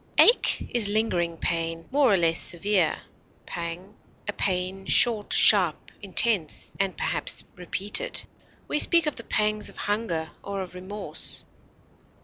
Ache is lingering pain, more or less severe; pang, a pain short, sharp, intense, and perhaps repeated. We speak of the pangs of hunger or of remorse.